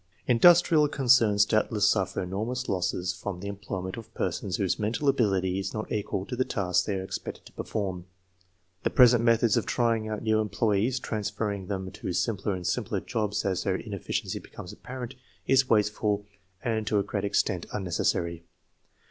Industrial concerns doubtless suffer enormous losses from the employment of persons whose mental ability is not equal to the tasks they are expected to perform. The pres ent methods of trying out new employees, transferring them to simpler and simpler jobs as their inefficiency becomes apparent, is wasteful and to a great extent unnecessary.